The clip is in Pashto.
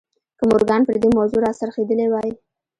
که مورګان پر دې موضوع را څرخېدلی وای